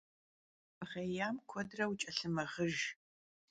Bğêyam kuedre vuç'elhımığıjj.